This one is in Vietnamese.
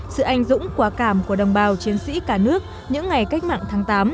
sự anh dũng quả cảm của đồng bào chiến sĩ cả nước những ngày cách mạng tháng tám